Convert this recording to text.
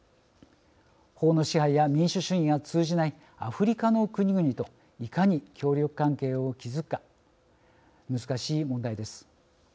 法の支配や民主主義が通じないアフリカの国々といかに協力関係を築くか難しい問題です。